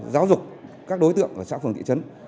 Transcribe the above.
giáo dục các đối tượng ở xã phường thị trấn